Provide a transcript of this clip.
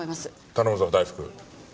頼むぞ大福。